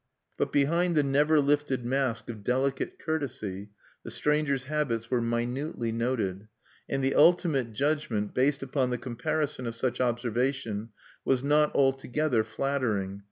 But behind the never lifted mask of delicate courtesy, the stranger's habits were minutely noted; and the ultimate judgment, based upon the comparison of such observation, was not altogether flattering.